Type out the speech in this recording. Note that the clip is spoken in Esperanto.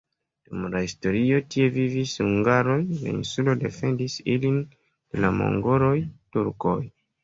Dum la historio tie vivis hungaroj, la insulo defendis ilin de la mongoloj, turkoj.